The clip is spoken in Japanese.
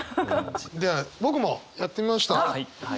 では僕もやってみました。